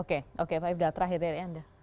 oke oke pak ibn al ahtra akhirnya dari anda